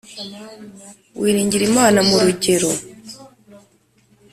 Wiringira Imana Mu Rugero